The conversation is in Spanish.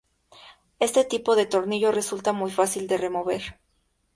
Este tipo de tornillo resulta muy fácil de remover.